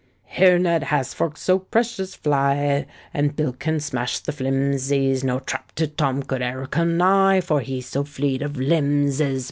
Here Ned has forks so precious fly, And Bill can smash the flimsies; No trap to Tom could e'er come nigh, For he so fleet of limbs is.